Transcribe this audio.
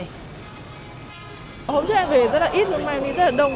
hôm trước em về rất là ít hôm nay mình rất là đông